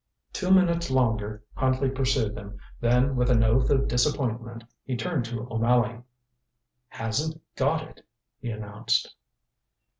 Two minutes longer Huntley pursued, then with an oath of disappointment he turned to O'Malley. "Hasn't got it!" he announced.